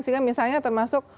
sehingga misalnya termasuk